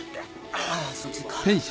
あそっちか。